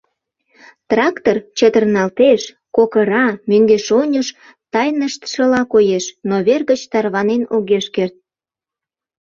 Трактор чытырналтеш, кокыра, мӧҥгеш-оньыш тайныштшыла коеш, но вер гыч тарванен огеш керт.